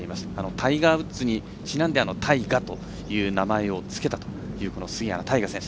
タイガー・ウッズにちなんで大河という名前をつけたというこの杉原大河選手。